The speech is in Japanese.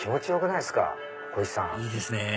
いいですね